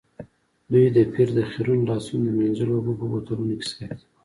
دوی د پیر د خیرنو لاسونو د مینځلو اوبه په بوتلونو کې ساتي.